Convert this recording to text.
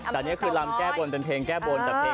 ตัดวินโดออกไปแล้วซูมพี่จินตะลาคนเดียว